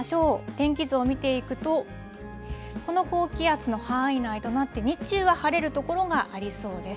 天気図を見ていくと、この高気圧の範囲内となって、日中は晴れる所がありそうです。